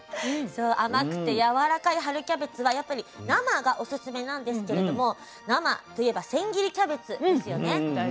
そう甘くてやわらかい春キャベツはやっぱり生がオススメなんですけれども生といえば千切りキャベツですよね。